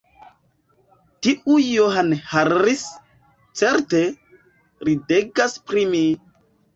Tiu John Harris, certe, ridegas pri mi!